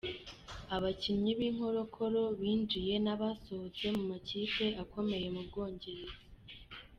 Abakinnyi b’inkorokoro binjiye n’abasohotse mu makipe akomeye mu Bwongereza.